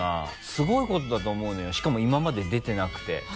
すごいことだと思うのよしかも今まで出てなくて。